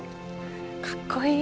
かっこいい。